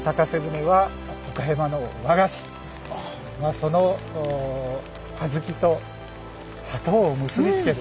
その小豆と砂糖を結びつける。